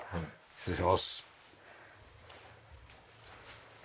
失礼します。